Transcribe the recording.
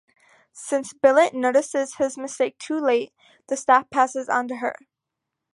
Since Billet notices his mistake too late, the staff passes on to her.